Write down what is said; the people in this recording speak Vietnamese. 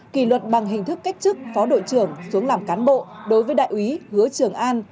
kỷ luật bằng hình thức cách chức phó đội trưởng xuống làm cán bộ đối với đại úy hứa trường an